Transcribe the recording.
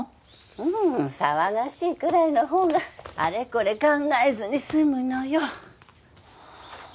うーん騒がしいくらいのほうがあれこれ考えずにすむのよ